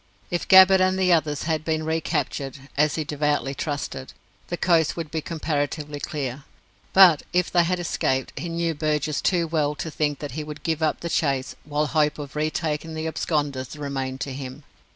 If Gabbett and the others had been recaptured as he devoutly trusted the coast would be comparatively clear; but if they had escaped, he knew Burgess too well to think that he would give up the chase while hope of re taking the absconders remained to him.